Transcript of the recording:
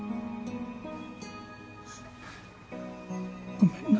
ごめんな。